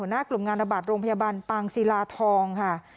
หัวหน้ากลุ่มงานระบัดโรงพยาบาลปางสีราทอง